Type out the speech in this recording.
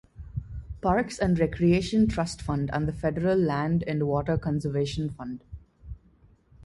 Parks and Recreation Trust Fund and the federal Land and Water Conservation Fund.